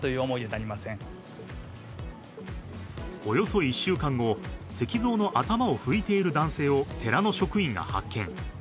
およそ１週間後、石像の頭を拭いている男性を寺の職員が発見。